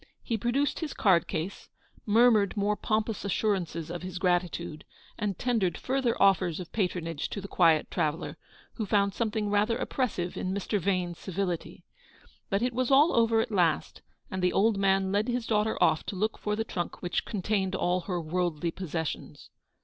He produced his card case, murmured more pompous assurances of his grati tude, and tendered further offers of patronage to the quiet traveller, who found something rather oppressive in Mr. Vane's civility. But it was all over at last, and the old man led his daughter off to look for the trunk which contained all her worldly possessions.